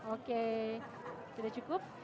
oke sudah cukup